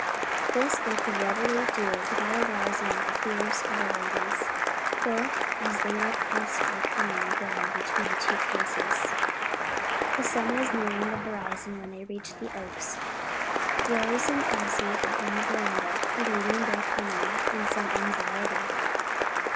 This they could readily do without arousing the fears of the ladies, as both were constantly coming and going between the two places. The sun was nearing the horizon when they reached the Oaks. Rose and Elsie were in the veranda awaiting their coming in some anxiety.